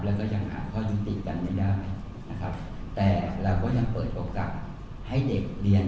แล้วก็ยังหาข้อยุติกันไม่ได้นะครับแต่เราก็ยังเปิดโอกาสให้เด็กเรียน